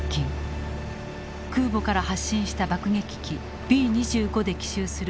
空母から発進した爆撃機Ｂ２５で奇襲する決死の作戦だった。